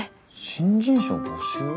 新人賞募集？